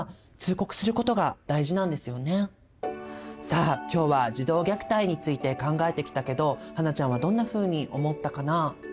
さあ今日は「児童虐待」について考えてきたけど英ちゃんはどんなふうに思ったかな？